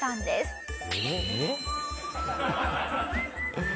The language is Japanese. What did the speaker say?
えっ？